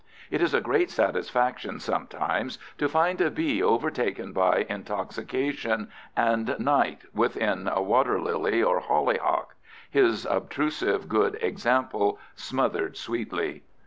It is a great satisfaction sometimes to find a bee overtaken by intoxication and night within a water lily or hollyhock, his obtrusive good example smothered sweetly.